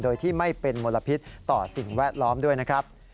โดยที่ไม่เป็นมลพิษต่อสิ่งแวดล้อมด้วยนะครับ